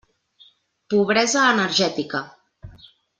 Pobresa energètica.